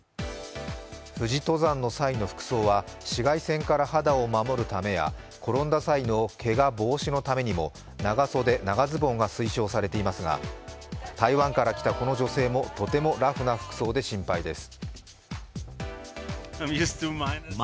富士登山の際の服装は、紫外線から肌を守るためや転んだ際のけが防止のためにも長袖・長ズボンが推奨されていますが台湾から来たこちらの女性もとてもラフな服装で心配です。